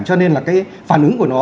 cho nên là cái phản ứng của nó